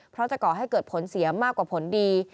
เพราะจะก่อให้เกิดผลเสียมากกว่าผลดี